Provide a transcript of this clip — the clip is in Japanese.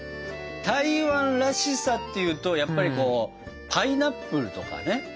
台湾らしさっていうとやっぱりこうパイナップルとかね。